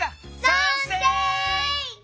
さんせい！